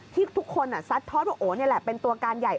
ที่ทุกคนซัดทอดว่าโอนี่แหละเป็นตัวการใหญ่